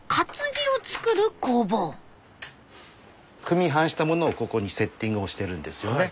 組版したものをここにセッティングをしてるんですよね。